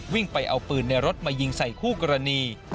วิ่งไปเอาปืนในรถมายิงใส่คู่กรณี